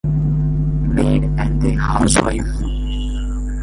Maid and the housewife